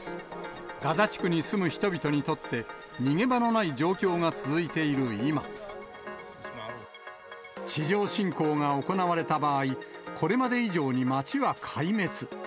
ガザ地区に住む人々にとって、逃げ場のない状況が続いている今、地上侵攻が行われた場合、これまで以上に街は壊滅。